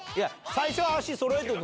最初はそろえる。